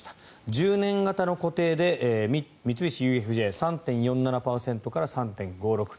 １０年型の固定で三菱ＵＦＪ３．４７％から３．５６％